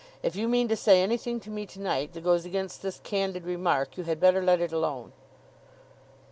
If you mean to say anything to me to night, that goes against this candid remark, you had better let it alone.